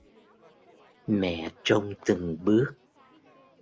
Mẹ trông từng bước